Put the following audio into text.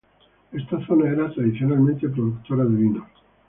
Esta zona era tradicionalmente productora de vinos.